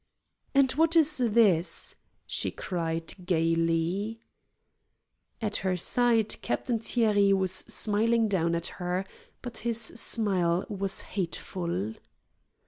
"And what is this?" she cried gayly. At her side Captain Thierry was smiling down at her, but his smile was hateful.